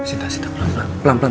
sinta sinta pelan pelan